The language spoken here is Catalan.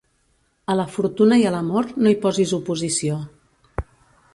A la fortuna i a l'amor no hi posis oposició.